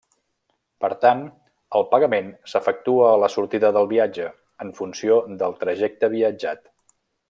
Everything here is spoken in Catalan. Per tant, el pagament s'efectua a la sortida del viatge, en funció del trajecte viatjat.